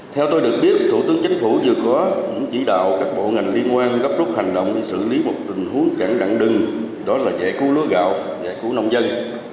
theo tôi được biết thủ tướng chính phủ vừa có cũng chỉ đạo các bộ ngành liên quan gấp rút hành động để xử lý một tình huống chẳng đặn đừng đó là giải cứu lúa gạo giải cứu nông dân